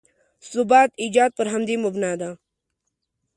ثبات ایجاد پر همدې مبنا دی.